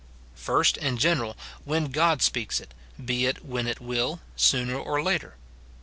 First, in general, when God speaks it, be it when it will, sooner or later.